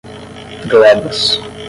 glebas